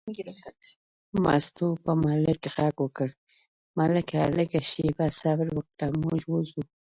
مستو په ملک غږ وکړ: ملکه لږه شېبه صبر وکړه، موږ وځو.